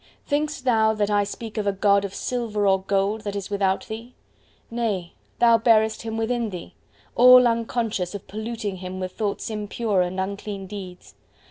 Thinkest thou that I speak of a God of silver or gold, that is without thee? Nay, thou bearest Him within thee! all unconscious of polluting Him with thoughts impure and unclean deeds.